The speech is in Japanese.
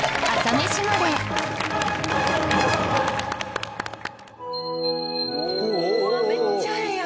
めっちゃええやん。